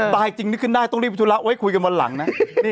ตายจริงนึกขึ้นได้ต้องรีบธุระไว้คุยกันวันหลังนะ